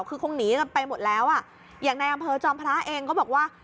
คือคงหนีกันไปหมดแล้วอ่ะอย่างในอำเภอจอมพระเองก็บอกว่า